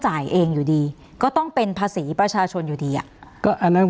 จ่ายเองอยู่ดีก็ต้องเป็นภาษีประชาชนอยู่ดีอ่ะก็อันนั้น